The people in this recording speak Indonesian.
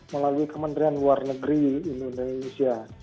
melalui kementerian luar negeri indonesia